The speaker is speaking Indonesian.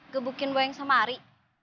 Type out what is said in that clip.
gebukin boy yang sama ari